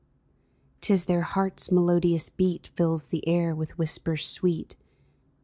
'Tis their heart's melodious beat Fills the air with whispers sweet !